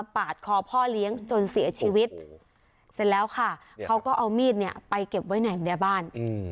ไปเก็บไว้ไหนบ้าน